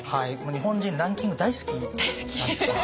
日本人ランキング大好きなんですよ。